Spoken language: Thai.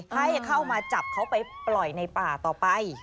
ให้เข้ามาจับเขาไปปล่อยในป่าต่อไป